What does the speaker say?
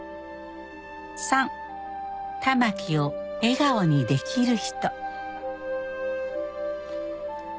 「３たまきを笑顔にできる人」